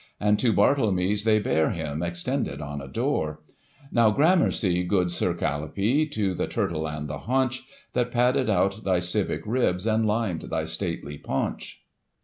And to Bartlemy's they bear him, extended on a door ; Now, gramercy, good SiR Calipee, to the turtle and the haunch, * That padded out thy civic ribs, and lined thy stately paunch.